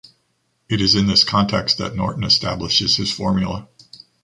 It is in this context that Norton establishes his formula.